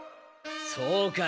そうか。